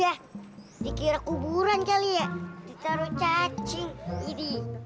yak di kira kuburan kali ya ditaro cacing gidi